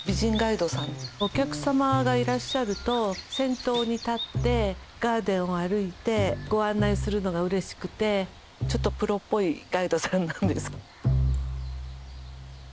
お客様がいらっしゃると先頭に立ってガーデンを歩いてご案内するのがうれしくてちょっとプロっぽいガイドさんなんです。